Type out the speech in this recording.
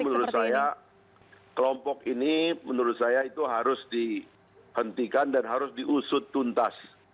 karena itu menurut saya kelompok ini menurut saya itu harus dihentikan dan harus diusut tuntas